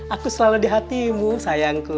aku selalu di hatimu sayangku